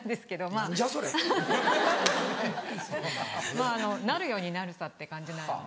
まぁなるようになるさって感じなんで。